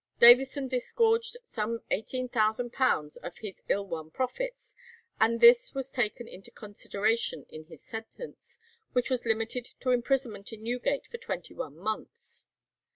Davison disgorged some £18,000 of his ill won profits, and this was taken into consideration in his sentence, which was limited to imprisonment in Newgate for twenty one months.